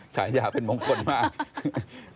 ฉายาเป็นมงคลมาก